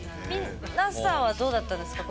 皆さんはどうだったんですか？